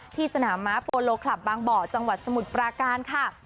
ที่สนามม้าโปโลคลับบางบ่อจังหวัดสมุทรปราการค่ะ